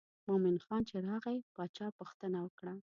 مومن خان چې راغی باچا پوښتنه وکړه.